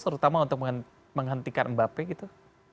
terutama untuk menghentikan mbappe gitu